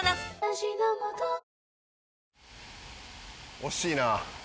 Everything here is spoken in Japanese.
惜しいな。